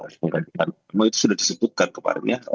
semua itu sudah disebutkan kemarin ya